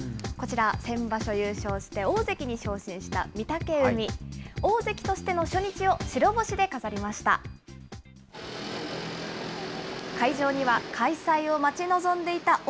こちら、先場所優勝して、大関に昇進した御嶽海。大関としての初日を白星で飾りました。